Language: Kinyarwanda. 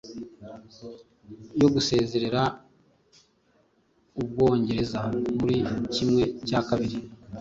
yo gusezerera Ubwongereza muri kimwe cyakabiri